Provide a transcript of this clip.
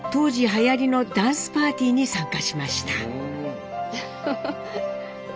はやりのダンスパーティーに参加しました。